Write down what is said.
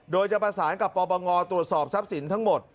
โดยจะประสานกับปปงตรวจสอบทรัพย์สินทั้งหมด